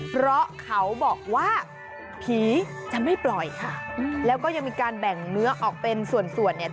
เพราะเขาบอกว่าผีจะไม่ปล่อยค่ะแล้วก็ยังมีการแบ่งเนื้อออกเป็นส่วนส่วนเนี่ย